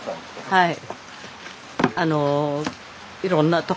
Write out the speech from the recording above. はい。